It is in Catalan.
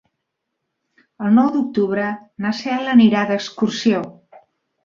El nou d'octubre na Cel anirà d'excursió.